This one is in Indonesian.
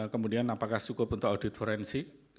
kemudian apakah cukup untuk audit forensik